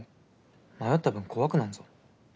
迷った分怖くなんぞ。